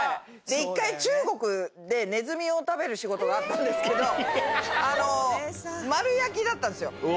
一回、中国でネズミを食べる仕事があったんですけど、丸焼きだったんですよ。